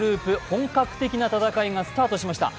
本格的な戦いがスタートしました。